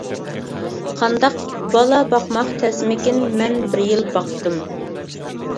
-قانداق، بالا باقماق تەسمىكىن؟ مەن بىر يىل باقتىم.